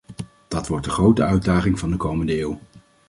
Dat wordt de grote uitdaging van de komende eeuw.